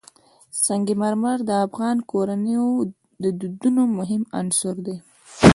سنگ مرمر د افغان کورنیو د دودونو مهم عنصر دی.